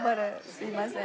すいません。